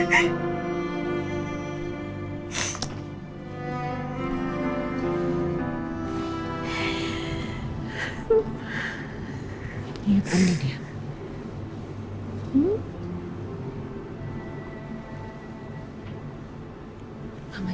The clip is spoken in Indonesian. kayaknya dia bazud mbak